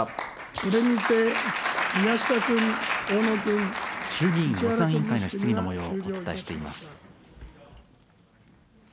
これにて宮下君、大野君。衆議院予算委員会の質疑のもようをお伝えしています。